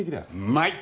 うまい！